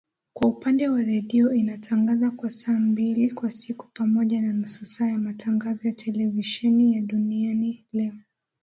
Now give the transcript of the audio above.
Kwa upande wa redio inatangaza kwa saa mbili kwa siku pamoja na nusu saa ya matangazo ya televisheni ya Duniani Leo